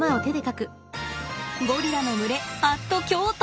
ゴリラの群れ＠京都。